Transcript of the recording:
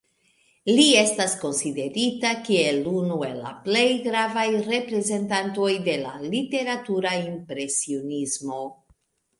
Li estas konsiderita kiel unu el la plej gravaj reprezentantoj de la literatura impresionismo.